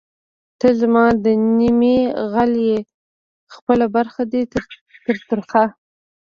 ته زما د نیمې غل ئې خپله برخه دی تر ترخه